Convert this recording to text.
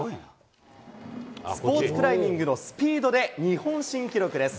スポーツクライミングのスピードで日本新記録です。